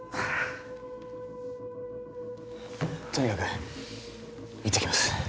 とにかく行ってきます